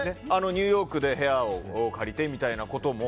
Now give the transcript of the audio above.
ニューヨークで部屋を借りてみたいなことも。